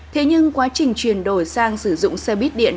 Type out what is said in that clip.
thế nhưng quá trình chuyển đổi sang sử dụng xe buýt điện